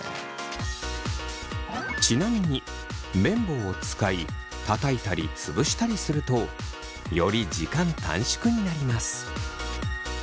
ちなみにめん棒を使いたたいたりつぶしたりするとより時間短縮になります。